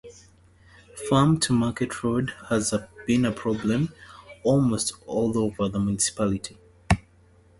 Farm-to-Market road has been a problem almost all over the municipality.